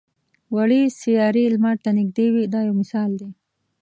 وړې سیارې لمر ته نږدې وي دا یو مثال دی.